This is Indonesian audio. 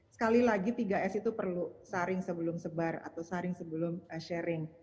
sekali lagi tiga s itu perlu saring sebelum sebar atau saring sebelum sharing